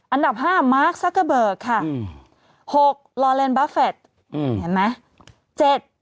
อันดับ๕มาร์คซักเกอร์เบิร์กค่ะ๖ลอเลนด์บัฟเฟฟต์เห็นไหม